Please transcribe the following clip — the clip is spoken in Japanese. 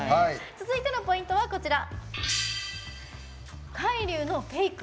続いてのポイントはこちら。